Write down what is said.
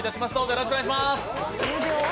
よろしくお願いします。